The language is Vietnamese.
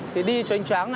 thì đi cho anh chóng